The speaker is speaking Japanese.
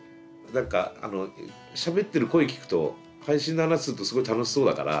なんかしゃべってる声聞くと配信の話するとすごい楽しそうだから。